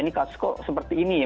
ini kasus kok seperti ini ya